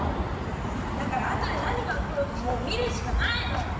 だからあとで何が起ころうともう見るしかないの！